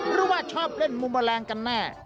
หรือว่าชอบเล่นบุมเมอร์แรงกันแน่